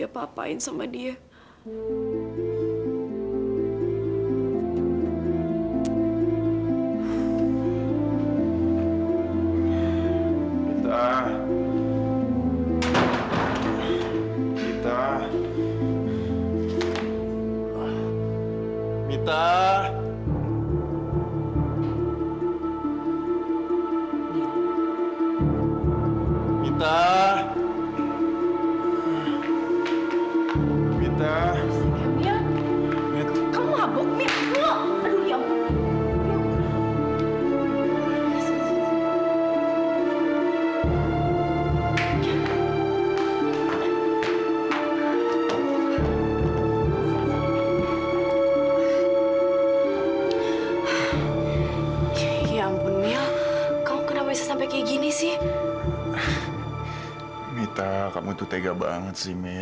hosped object nuterkacung keliatan di jakarta delikat di indonesia